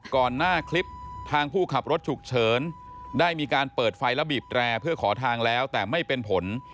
ก่อนหน้าคลิปทางผู้ขับรถฉุกเฉินได้มีการเปิดไฟและบีบแตรเพื่อขอทางแล้วแต่ไม่เป็นผล